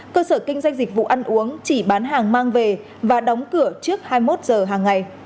cơ sở kinh doanh dịch vụ ăn uống chỉ bán hàng mang về và đóng cửa trước hai mươi một giờ hàng ngày